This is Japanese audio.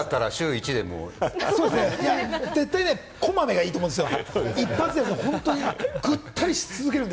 絶対、こまめがいいと思うんですよ。